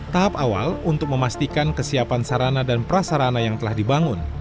tahap awal untuk memastikan kesiapan sarana dan prasarana yang telah dibangun